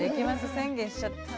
宣言しちゃったな。